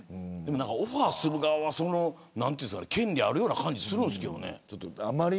オファーする側は、その権利があるような気がするんですけど。